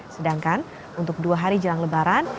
sedangkan untuk dua hari jelang lebaran